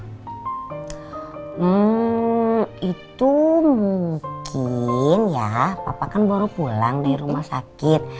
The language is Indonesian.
hmm itu mungkin ya papa kan baru pulang dari rumah sakit